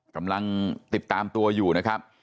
กำลังติดตามตัวอยู่นะครับ